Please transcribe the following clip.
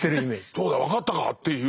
どうだ分かったかっていう。